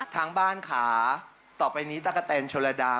ทางบ้านขาต่อไปนี้ตะกะแตนชนระดา